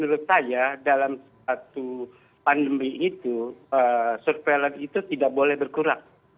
menurut saya dalam satu pandemi itu surveillance itu tidak boleh berkurang